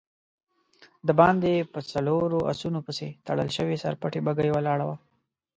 د باندی په څلورو آسونو پسې تړل شوې سر پټې بګۍ ولاړه وه.